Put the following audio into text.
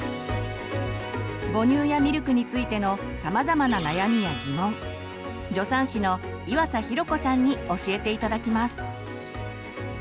母乳やミルクについてのさまざまな悩みやギモン助産師の岩佐寛子さんに教えて頂きます。